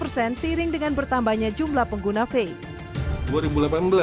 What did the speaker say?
seiring dengan bertambahnya jumlah pengguna vape